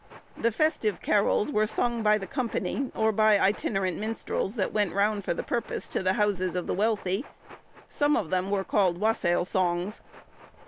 The festive carols were sung by the company, or by itinerant minstrels, that went round for the purpose, to the houses of the wealthy: some of them were called wassail songs.